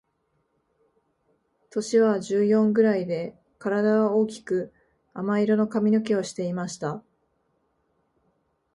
年は十四ぐらいで、体は大きく亜麻色の髪の毛をしていました。